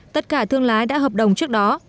tất cả thương lái đã hợp đồng trước đó